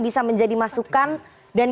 bisa menjadi masukan dan